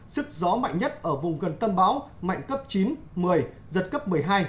sức gió mạnh nhất ở vùng gần tâm báo mạnh cấp chín một mươi giật cấp một mươi hai một mươi ba